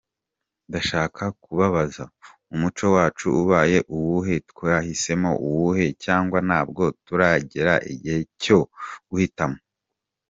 Ndashaka kubabaza umuco wacu ubaye uwuhe, twahisemo uwuhe cyangwa ntabwo turagera igihe cyo guhitamo?.